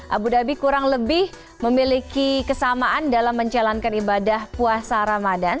abu dhabi kurang lebih memiliki kesamaan dalam menjalankan ibadah puasa ramadan